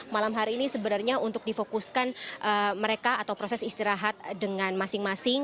malam hari ini sebenarnya untuk difokuskan mereka atau proses istirahat dengan masing masing